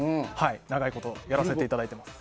長いことやらせていただいています。